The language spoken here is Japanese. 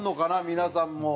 皆さんも。